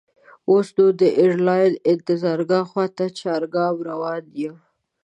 اوس نو د ایرلاین انتظارګاه خواته چارګام روان یم.